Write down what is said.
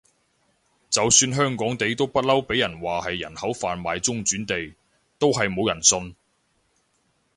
就算香港地都不嬲畀人話係人口販賣中轉地，都係冇人信